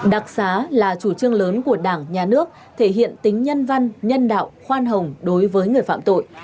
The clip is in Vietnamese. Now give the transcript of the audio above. đặc xá là chủ trương lớn của đảng nhà nước thể hiện tính nhân văn nhân đạo khoan hồng đối với người phạm tội